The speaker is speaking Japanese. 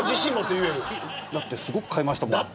だってすごく買いました。